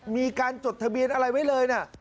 มีการจดทะเบียนอะไรไว้เลยนะ